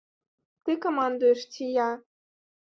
Ты камандуеш ці я?